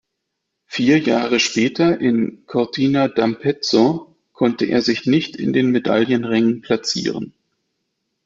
Vier Jahre später in Cortina d’Ampezzo konnte er sich nicht in den Medaillenrängen platzieren.